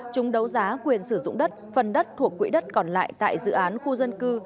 chúng đấu giá quyền sử dụng đất phần đất thuộc quỹ đất còn lại tại dự án khu dân cư